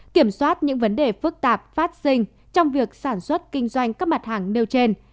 kiểm soát những vấn đề phức tạp phát sinh trong việc sản xuất kinh doanh các mặt hàng nêu trên